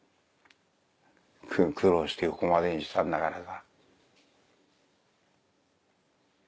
苦労してここまでにしたんだからさ。